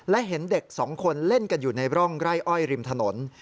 และเห็นเด็กสองคนเล่นกันอยู่ในร่องไร่อ้อยริมถนน